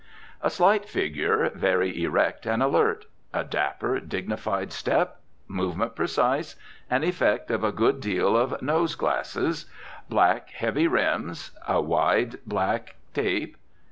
A slight figure, very erect and alert. A dapper, dignified step. Movement precise. An effect of a good deal of nose glasses. Black, heavy rims. A wide, black tape.